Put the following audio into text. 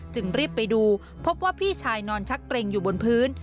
จึงรีบไปดูพบว่าพี่ชายนอนชักเกร็งอยู่บนพื้น